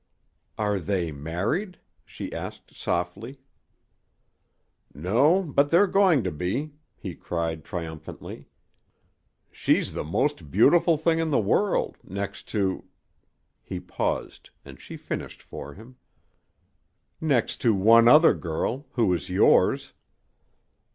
"Are they married?" she asked, softly. "No, but they're going to be," he cried, triumphantly. "She's the most beautiful thing in the world, next to " He paused, and she finished for him. "Next to one other girl who is yours."